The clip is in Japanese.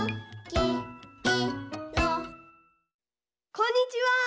こんにちは！